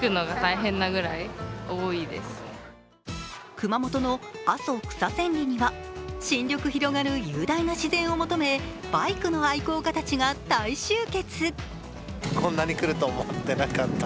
熊本の阿蘇・草千里には新緑広がる雄大な自然を求め、バイクの愛好家たちが大集結。